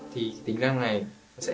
thì tính năng này sẽ